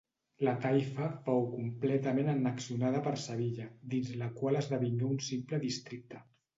La taifa fou completament annexionada per Sevilla, dins la qual esdevingué un simple districte.